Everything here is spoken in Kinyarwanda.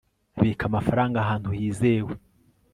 bika amafaranga ahantu hizewe